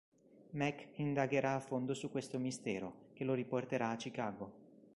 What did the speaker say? Mac indagherà a fondo su questo mistero, che lo riporterà a Chicago.